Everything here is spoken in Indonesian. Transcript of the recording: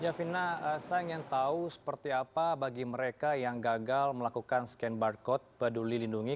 ya fina saya ingin tahu seperti apa bagi mereka yang gagal melakukan scan barcode peduli lindungi